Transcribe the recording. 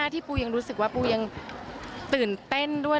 ที่ปูยังรู้สึกว่าปูยังตื่นเต้นด้วย